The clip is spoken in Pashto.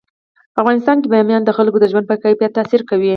په افغانستان کې بامیان د خلکو د ژوند په کیفیت تاثیر کوي.